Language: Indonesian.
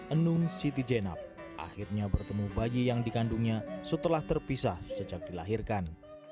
enun siti jenab akhirnya bertemu bayi yang dikandungnya setelah terpisah sejak dilahirkan